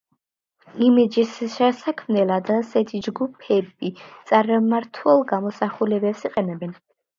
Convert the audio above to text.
იმიჯის შესაქმნელად ასეთი ჯგუფები წარმართულ გამოსახულებებს იყენებენ.